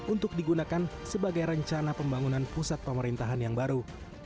untuk digunakan sebagai rencana pembangunan pusat pemerintahan yang baru